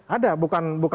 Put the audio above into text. ada bukan sedikit ada